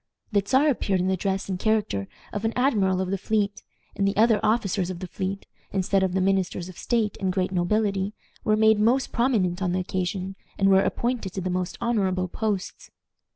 The Czar appeared in the dress and character of an admiral of the fleet, and the other officers of the fleet, instead of the ministers of state and great nobility, were made most prominent on the occasion, and were appointed to the most honorable posts.